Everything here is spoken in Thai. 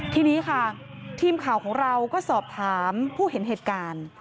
ทีนี้ค่ะทีมข่าวของเราก็สอบถามผู้เห็นเหตุการณ์